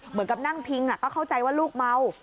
เหมือนกับนั่งพิงก็เข้าใจว่าลูกเมา